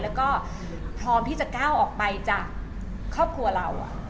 แล้วก็พร้อมที่จะก้าวออกไปจากครอบครัวเรา